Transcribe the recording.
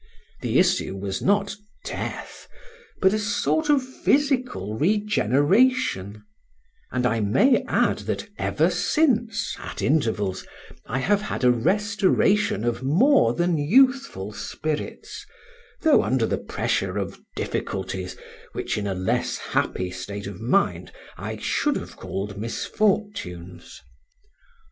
The issue was not death, but a sort of physical regeneration; and I may add that ever since, at intervals, I have had a restoration of more than youthful spirits, though under the pressure of difficulties which in a less happy state of mind I should have called misfortunes.